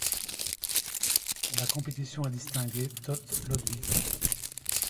La compétition a distingué Todd Lodwick.